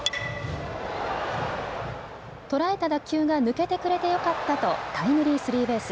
捉えた打球が抜けてくれてよかったとタイムリースリーベース。